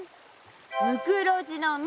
ムクロジの実。